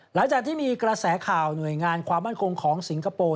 หลังจากที่มีกระแสข่าวหน่วยงานความมั่นคงของสิงคโปร์